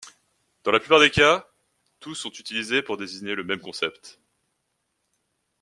Dans la plupart des cas, tous sont utilisés pour désigner le même concept.